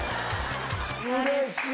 うれしい！